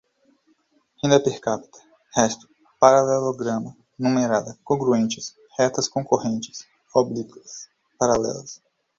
renda per capta, resto, paralelogramo, numerada, congruentes, retas concorrentes, oblíquas, paralelas